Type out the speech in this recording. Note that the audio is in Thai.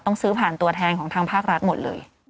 ต้องซื้อผ่านตัวแทนของทางภาครัฐหมดเลย